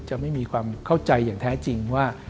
จะไม่มีความเข้าใจอย่างแท้จริงว่า